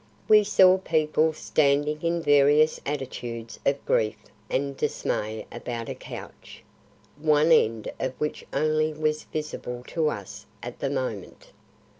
We saw people standing in various attitudes of grief and dismay about a couch, one end of which only was visible to us at the moment.